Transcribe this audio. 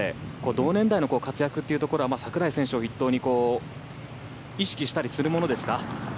同年代の活躍というのは櫻井選手を筆頭に意識したりするものですか？